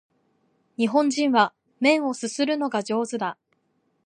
日本人は麺を啜るのが上手だ